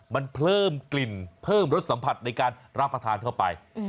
มันเพิ่มกลิ่นเพิ่มรสสัมผัสในการรับประทานเข้าไป